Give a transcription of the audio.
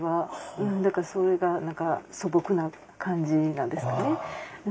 うんだからそれが何か素朴な感じなんですかね。